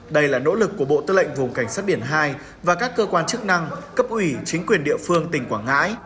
đây là nỗ lực của bộ tư lệnh vùng cảnh sát biển hai và các cơ quan chức năng cấp ủy chính quyền địa phương tỉnh quảng ngãi